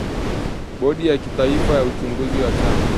Bodi ya kitaifa ya uchaguzi ya chama